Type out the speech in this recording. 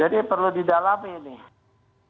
jadi perlu didalami ini